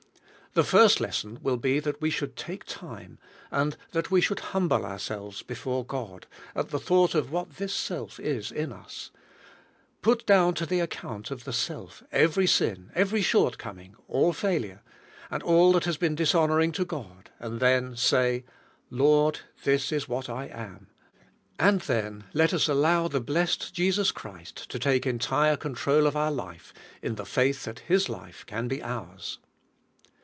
The first lesson will be that we should take time, and that we should humble ourselves before God, at the thought of what this self is in us; put down to the account of the self every sin, every shortcoming, all failure, and all that has been dishonoring to God, and then say, "Lord, this is what I am;" and then let us allow the blessed Jesus Christ to take entire con THE SELF LIFE 37 trol of our life, in the faith that His life can be ours.